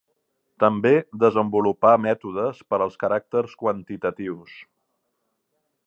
També desenvolupà mètodes per als caràcters quantitatius.